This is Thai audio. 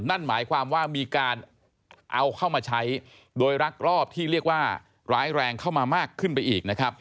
นั่นหมายความว่ามีการเอาเข้ามาใช้โดยรักรอบที่เรียกว่าร้ายแรงเข้ามามากขึ้นไปอีกนะครับ